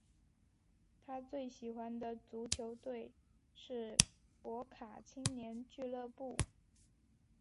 他最喜欢的足球队是博卡青年队俱乐部。